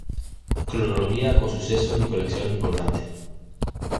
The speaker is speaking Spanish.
Cronología con sucesos y colecciones importantes.